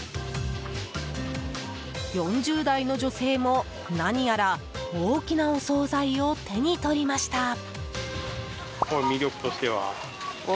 ４０代の女性も何やら大きなお総菜を手に取りました。